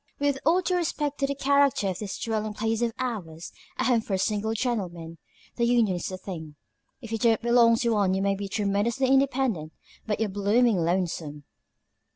With all due respect to the character of this dwelling place of ours a home for single gentlemen the union is the thing. If you don't belong to one you may be tremendously independent, but you're blooming lonesome."